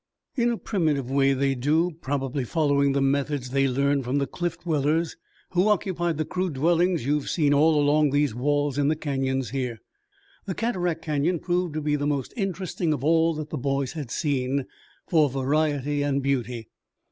"In a primitive way, they do, probably following the methods they learned from the cliff dwellers, who occupied the crude dwellings you have seen all along these walls in the canyons here." The Cataract Canyon proved to be the most interesting of all that the boys had seen for variety and beauty.